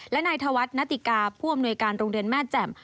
และนายธวัฒนติกาผู้อำนวยการโรงเรียนแม่แจ่ม